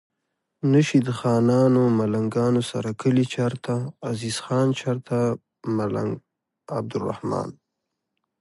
نشي د خانانو ملنګانو سره کلي چرته عزیز خان چرته ملنګ عبدالرحمان